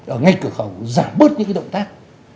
ở ngay cửa khẩu giảm bớt những cái động tác